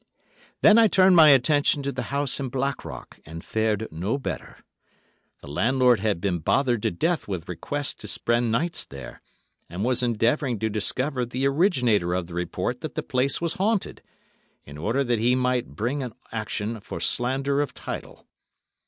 Then I turned my attention to the house in Blackrock, and fared no better. The landlord had been bothered to death with requests to spend nights there, and was endeavouring to discover the originator of the report that the place was haunted, in order that he might bring an action for Slander of Title.